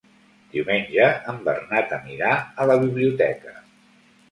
Diumenge en Bernat anirà a la biblioteca.